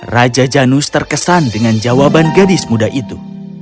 raja janus terkesan dengan jawaban gadis muda itu